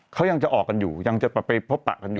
เขายังจะออกกันอยู่ยังจะไปพบปะกันอยู่